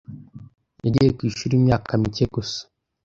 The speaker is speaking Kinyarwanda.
Yagiye ku ishuri imyaka mike gusa.